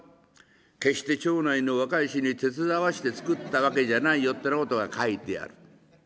決して町内の若い衆に手伝わせて作ったわけじゃないよ」ってなことが書いてある。